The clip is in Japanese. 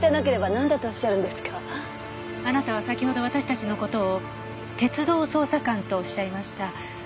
あなたは先ほど私たちの事を鉄道捜査官とおっしゃいました。